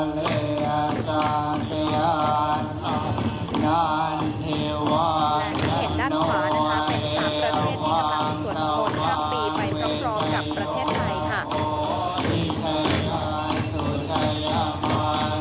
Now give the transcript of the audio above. และที่เห็นด้านขวานะคะเป็น๓ประเทศที่กำลังสวดมงคลข้ามปีไปพร้อมกับประเทศไทยค่ะ